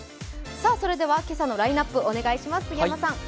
それでは今朝のラインナップ、お願いします。